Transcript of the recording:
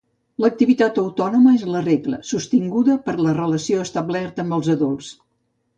L'activitat autònoma és la regla, sostinguda per la relació establerta amb els adults.